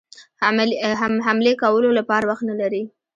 حملې کولو لپاره وخت نه لري.